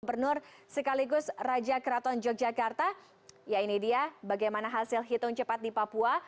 gubernur sekaligus raja keraton yogyakarta ya ini dia bagaimana hasil hitung cepat di papua